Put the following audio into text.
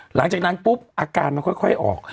หลังจากนั้นปุ๊บอาการมันค่อยออก